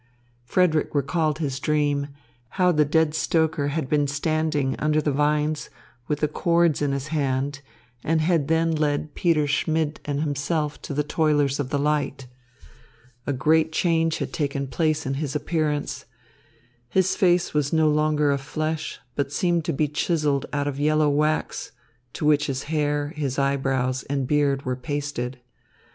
Frederick recalled his dream how the dead stoker had been standing under the vines with the cords in his hand and had then led Peter Schmidt and himself to the Toilers of the Light. A great change had taken place in his appearance. His face was no longer of flesh, but seemed to be chiselled out of yellow wax, to which his hair, his eyebrows and beard were pasted.